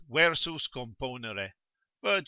versus componere. Virg.